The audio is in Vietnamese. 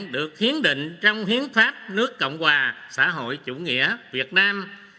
và nhiệm vụ được khiến định trong hiến pháp nước cộng hòa xã hội chủ nghĩa việt nam